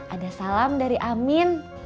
ada salam dari amin